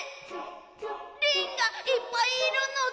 リンがいっぱいいるのだ？